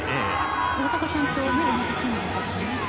大迫さんと同じチームでしたけどね。